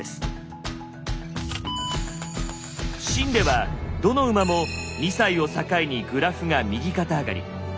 秦ではどの馬も２歳を境にグラフが右肩上がり。